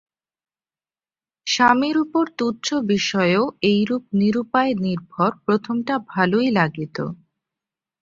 স্বামীর উপর তুচ্ছ বিষয়েও এইরূপ নিরুপায় নির্ভর প্রথমটা ভালোই লাগিত।